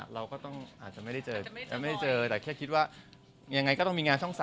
เราก็ต้องอาจจะไม่ได้เจอแต่แค่คิดว่ายังไงก็ต้องมีงานช่อง๓